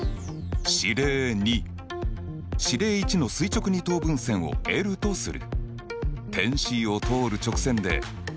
指令１の垂直二等分線をとする。